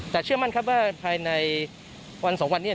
แต่เชื่อมั่นครับว่าภายในวันสองวันนี้